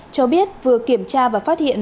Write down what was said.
cho biết vừa kiểm tra và phát hiện